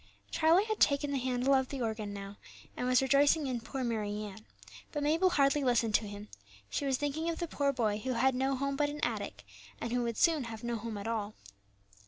Charlie had taken the handle of the organ now, and was rejoicing in "Poor Mary Ann;" but Mabel hardly listened to him; she was thinking of the poor boy who had no home but an attic, and who soon would have no home at all.